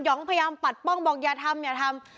องพยายามปัดป้องบอกอย่าทำอย่าทำ